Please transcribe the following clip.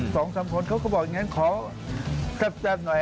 สองสามคนเขาก็บอกอย่างนั้นขอแซ่บหน่อย